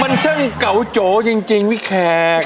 มันช่างเก่าโจ๋อจริงวิแคก